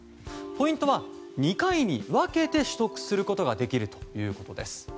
ポイントは、２回に分けて取得することができるということです。